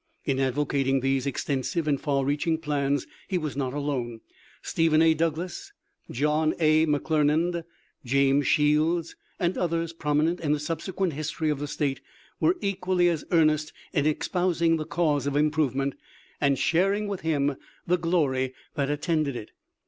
In advocating these extensive and far reaching plans he was not alone. Stephen A. Douglas, John A. McClernand, James Shields, and others prominent in the subsequent history of the State, were equally as earnest in es pousing the cause of improvement, and sharing with him the glory that attended it.